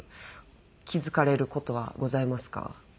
気付かれる事はございますか？